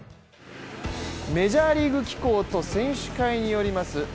メジャーリーグ機構と選手会によります